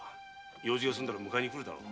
用事が済めば迎えに来るだろう。